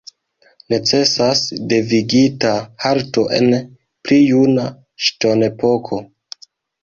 Necesas devigita halto en pli juna ŝtonepoko.